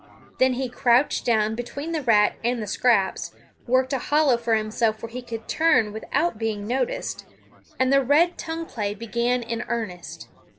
Then he crouched down between the rat and the scraps, worked a hollow for himself where he could turn without being noticed, and the red tongue play began in earnest.